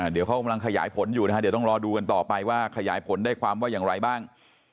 เดี๋ยวเขากำลังขยายผลอยู่นะฮะเดี๋ยวต้องรอดูกันต่อไปว่าขยายผลได้ความว่าอย่างไรบ้าง